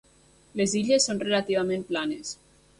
Les illes són relativament planes.